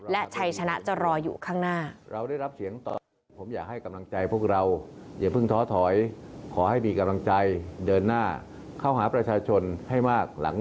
และชัยชนะจะรออยู่ข้างหน้า